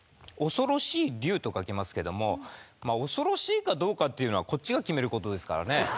恐ろしい竜と書きますけど恐ろしいかどうかっていうのはこっちが決めることですからね。